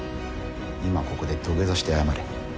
今ここで土下座して謝れ。